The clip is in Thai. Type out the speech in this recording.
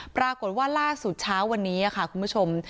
ปรากฏว่าล่าสุดเช้าวันนี้ค่ะคุณผู้ชม